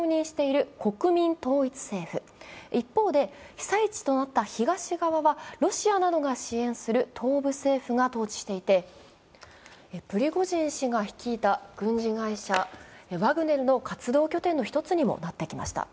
被災地となった東側は、ロシアなどが支援している東部政府が統治していて、プリゴジン氏が率いた軍事会社ワグネルの活動拠点の一つにもなっていました。